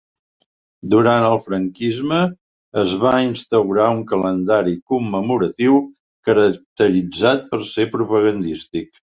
Durant el franquisme, es va instaurar un calendari commemoratiu caracteritzat per ser propagandístic.